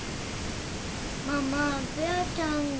ママべあちゃんが。